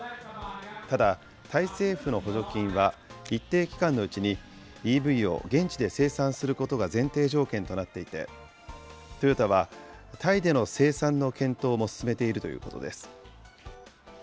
ただ、タイ政府の補助金は、一定期間のうちに、ＥＶを現地で生産することが前提条件となっていて、トヨタは、タイでの生産の検討も進めているということです。